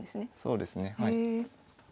そうですねはい。